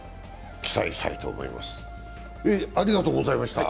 期待したいと思います。